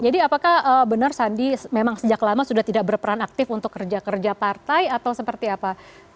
jadi apakah benar sandi memang sejak lama sudah tidak berperan aktif untuk kerja kerja partai atau seperti apa